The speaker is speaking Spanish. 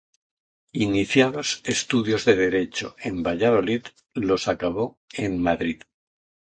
Iniciados estudios de Derecho en Valladolid, los acabó en Madrid.